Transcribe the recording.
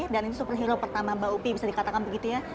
dan itu superhero pertama mbak upi bisa dikatakan begitu ya